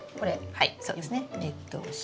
はい。